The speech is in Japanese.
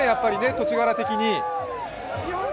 土地柄的に。